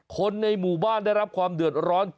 คนในหมู่บ้านได้รับความเดือดร้อน